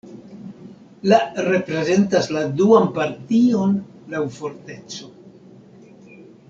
La reprezentas la duan partion laŭ forteco.